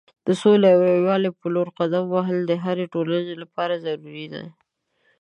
د سولې او یووالي په لور قدم وهل د هرې ټولنې لپاره ضروری دی.